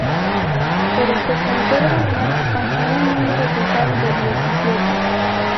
Pero se conservan más, hasta un número total de diecisiete.